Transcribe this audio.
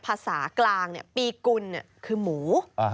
ภาษากลางเนี่ยปีกุลเนี่ยคือหมู